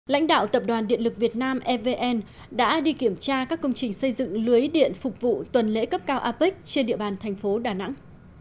lãnh đạo tập đoàn điện lực việt nam evn đã đi kiểm tra các công trình xây dựng lưới điện phục vụ tuần lễ cấp cao apec trên địa bàn thành phố đà nẵng